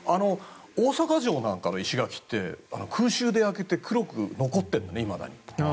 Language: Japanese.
大阪城なんかの石垣って空襲で焼けて黒く残っているよね、いまだに。